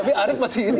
tapi arief masih ini